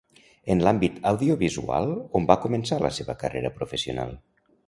En l'àmbit audiovisual, on va començar la seva carrera professional?